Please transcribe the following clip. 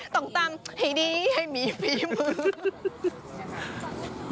ต้องตำให้ดีให้มีภีมภูมิ